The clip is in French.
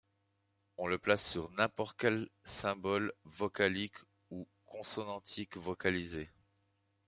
On le place sur n'importe quel symbole vocalique ou consonantique vocalisé.